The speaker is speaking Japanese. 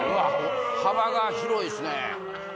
幅が広いっすね。